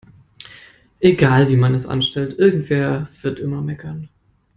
Egal wie man es anstellt, irgendwer wird immer meckern.